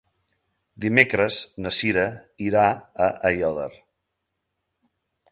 Dimecres na Sira irà a Aiòder.